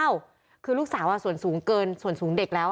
ลูกสาวน่ะส่วนสูงเด็กแล้ว